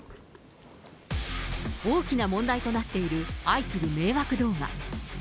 大きな問題となっている相次ぐ迷惑動画。